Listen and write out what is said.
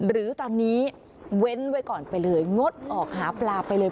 หรือตอนนี้เว้นไว้ก่อนไปเลยงดออกหาปลาไปเลย